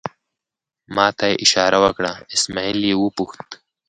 ما ته یې اشاره وکړه، اسمعیل یې وپوښتل.